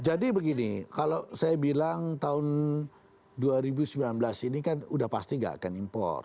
jadi begini kalau saya bilang tahun dua ribu sembilan belas ini kan sudah pasti tidak akan impor